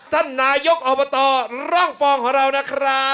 ท่านนายกอบตร่องฟองของเรานะครับ